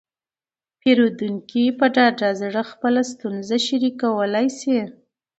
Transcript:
پیرودونکي په ډاډه زړه خپله ستونزه شریکولی شي.